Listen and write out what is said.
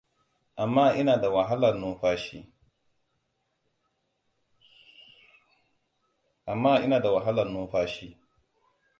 amma ina da wahalar numfashi